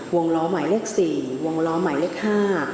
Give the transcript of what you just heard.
วงล้อหมายเลขสี่วงล้อหมายเลขห้า